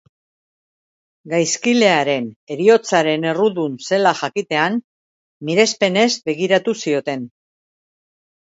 Gaizkilearen heriotzaren errudun zela jakitean, mirespenez begiratu zioten.